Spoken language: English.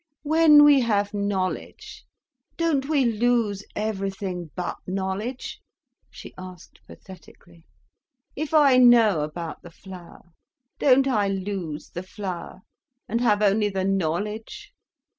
"When we have knowledge, don't we lose everything but knowledge?" she asked pathetically. "If I know about the flower, don't I lose the flower and have only the knowledge?